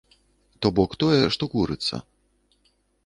То бок тое, што курыцца.